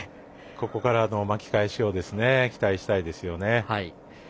ここからの巻き返しを期待したいですよね。